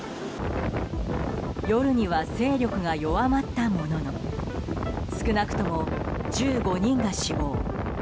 夜には勢力が弱まったものの少なくとも１５人が死亡。